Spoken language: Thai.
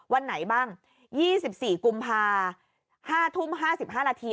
วันไหนบ้าง๒๔กุมภา๕ทุ่ม๕๕นาที